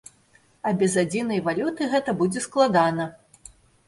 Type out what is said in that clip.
А без адзінай валюты гэта будзе складана.